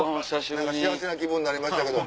幸せな気分になりましたけど。